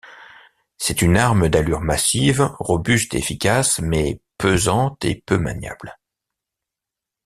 C'est une arme d'allure massive, robuste et efficace, mais pesante et peu maniable.